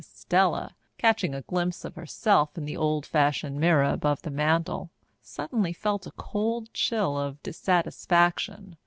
Estella, catching a glimpse of herself in the old fashioned mirror above the mantel, suddenly felt a cold chill of dissatisfaction.